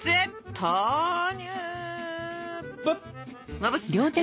まぶす！